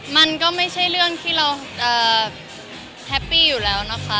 มันก็ไม่ใช่เรื่องที่เราแฮปปี้อยู่แล้วนะคะ